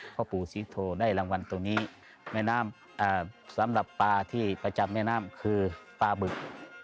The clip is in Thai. พ่อปู่ศรีโทได้รางวัลตรงนี้แม่น้ำสำหรับปลาที่ประจำแม่น้ำคือปลาบึก